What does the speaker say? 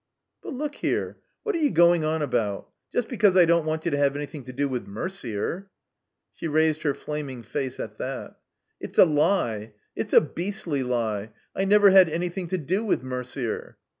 "But look here. Whatter you goin' on about? Just because I don't want you to have anything to do with Mercier." She raised her flaming face at that. "It's a lie! It's a beastly lie! I never had any thing to do with Mercier."